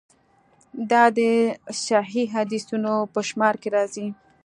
دا د صحیحو حدیثونو په شمار کې راځي.